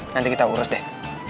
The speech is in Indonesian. nanti kita urus deh